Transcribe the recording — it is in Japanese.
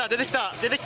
出てきた！